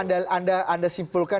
tapi kalau anda simpulkan